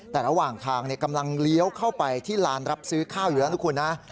แต่ระหว่างทางกำลังเลี้ยวเข้าไปที่ลานรับซื้อข้าวอยู่แล้วนะคุณนะ